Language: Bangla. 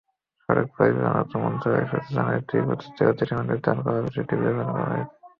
সড়ক পরিবহন মন্ত্রণালয় সূত্র জানায়, দুই পদ্ধতিতে গতিসীমা নির্ধারণ করার বিষয়টি বিবেচনায় রয়েছে।